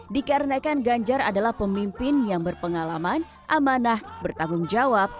dikarenakan ganjar adalah pemimpin yang berpengalaman amanah bertanggung jawab